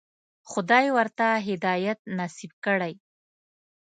خدای ورته هدایت نصیب کړی.